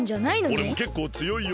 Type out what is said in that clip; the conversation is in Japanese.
おれもけっこうつよいよ。